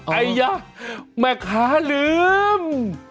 ไอยะแม่ค้าลืม